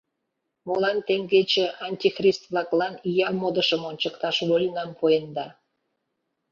Молан теҥгече антихрист-влаклан ия модышым ончыкташ вольнам пуэнда.